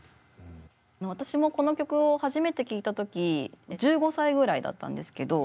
私もこの曲を初めて聴いた時１５歳ぐらいだったんですけど